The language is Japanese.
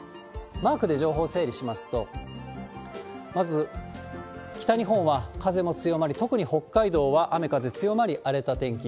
マークで情報を整理しますと、まず北日本は風も強まり、特に北海道は雨、風強まり、荒れた天気。